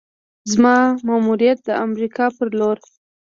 زما ماموریت د امریکا پر لور: